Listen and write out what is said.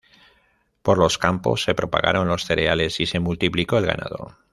Por los campos se propagaron los cereales y se multiplicó el ganado.